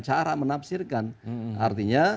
cara menafsirkan artinya